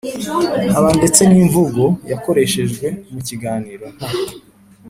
haba ndetse n'imvugo yakoreshejwe mu kiganiro, nta